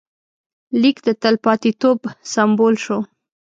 لیک د تلپاتېتوب سمبول شو.